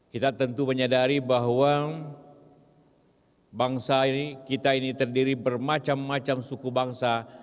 kita tentu menyadari bahwa bangsa ini kita ini terdiri bermacam macam suku bangsa